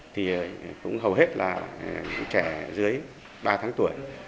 thì cũng hầu hết là trẻ dưới ba tháng tuổi